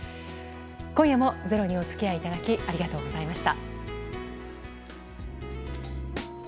今日も「ｚｅｒｏ」にお付き合いいただきありがとうございました。